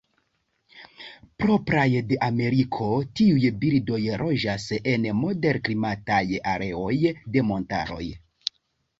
Propraj de Ameriko, tiuj birdoj loĝas en moderklimataj areoj de montaroj.